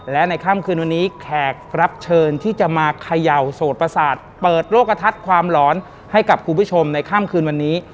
และในค่ำคืนวันนี้แขกรับเชิญที่จะมาเขย่าโสดประสาทเปิดโรคกระทัดความหลอนให้กับคุณผู้ชมในค่ำคืนวันนี้